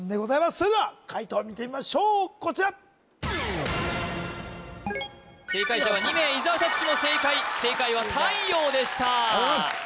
それでは解答を見てみましょうこちら正解者は２名伊沢拓司も正解正解は太陽でしたありがとうございます